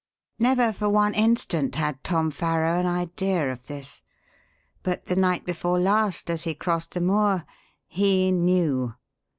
"Never for one instant had Tom Farrow an idea of this; but the night before last as he crossed the moor he knew!